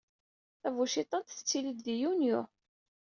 Tabuciḍant tettili-d di yunyu.